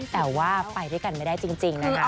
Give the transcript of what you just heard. แต่ว่าไปด้วยกันไม่ได้จริงนะคะ